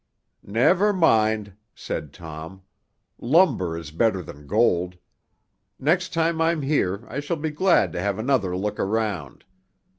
"Never mind," said Tom. "Lumber is better than gold. Next time I'm here I shall be glad to have another look around.